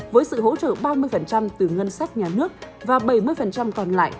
với sự hỗ trợ ba mươi từ ngân sách nhà nước và bảy mươi còn lại